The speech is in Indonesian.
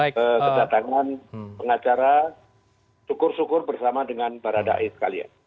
kedatangan pengacara syukur syukur bersama dengan barada eliezer sekalian